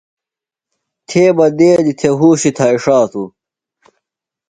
تھےۡ بہ دیدی تھے ہوشی تھائݜاتو۔